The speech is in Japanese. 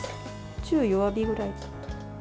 中弱火ぐらい。